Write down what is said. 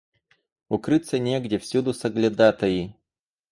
Укрыться негде, всюду соглядатаи.